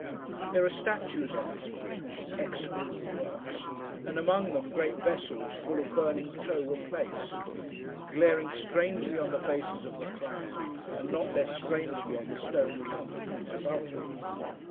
There are statues on this bridge (execrable works), and, among them, great vessels full of burning tow were placed: glaring strangely on the faces of the crowd, and not less strangely on the stone counterfeits above them.